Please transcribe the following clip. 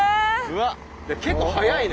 結構速いね。